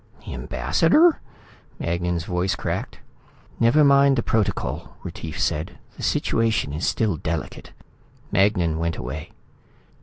"The ambassador?" Magnan's voice cracked. "Never mind the protocol," Retief said. "The situation is still delicate." Magnan went away.